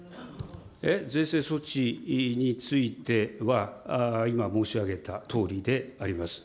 税制措置については、今申し上げたとおりであります。